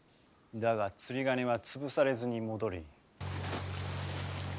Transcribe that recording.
だが釣り鐘は潰されずに戻り。